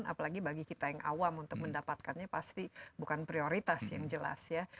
apalagi bagi kita yang awam untuk mendapatkannya pasti bukan prioritas yang jelas ya